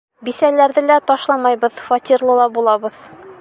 Бисәләрҙе лә ташламайбыҙ, фатирлы ла булабыҙ!